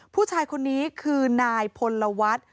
ผู้ชายคนนี้คือนายพลวัฒน์